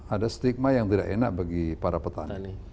ada stigma yang tidak enak bagi para petani